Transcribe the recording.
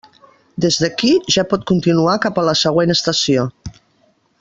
Des d'aquí ja pot continuar cap a la següent estació.